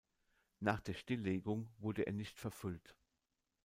Nach der Stilllegung wurde er nicht verfüllt.